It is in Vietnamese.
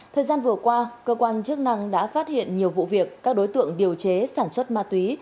thời gian vừa qua cơ quan chức năng đã phát hiện nhiều vụ việc các đối tượng điều chế sản xuất ma túy